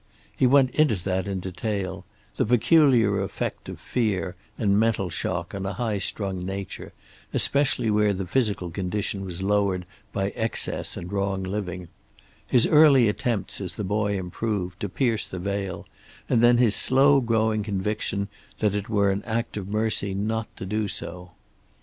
He went into that in detail; the peculiar effect of fear and mental shock on a high strung nature, especially where the physical condition was lowered by excess and wrong living; his early attempts, as the boy improved, to pierce the veil, and then his slow growing conviction that it were an act of mercy not to do so.